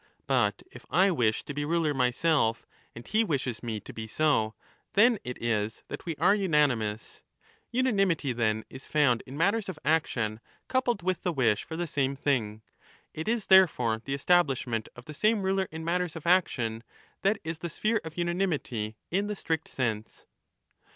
But if I wish to be ruler myself, and he wishes me to be so, then it is that we are unanimous. Unanimity, then, is found in matters of action 25 coupled with the wish for the same thing. It is therefore the establishment of the same ruler in matters of action that is the sphere of unanimity in the strict sense.